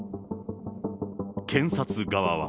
検察側は。